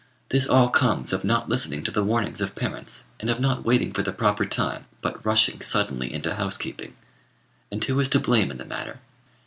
This all comes of not listening to the warnings of parents, and of not waiting for the proper time, but rushing suddenly into housekeeping. And who is to blame in the matter?